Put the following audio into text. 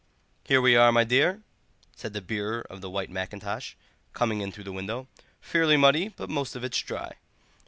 "Here we are, my dear," said the bearer of the white mackintosh, coming in through the window; "fairly muddy, but most of it's dry.